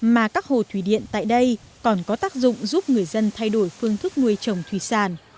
mà các hồ thủy điện tại đây còn có tác dụng giúp người dân thay đổi phương thức nuôi trồng thủy sản